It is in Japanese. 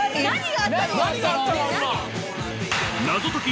何？